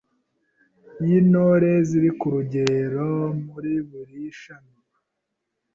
y’Intore ziri ku rugerero muri buri shami (faculty).